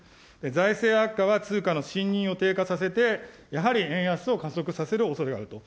財政悪化は通貨の信認を低下させて、やはり円安を加速させるおそれがあると。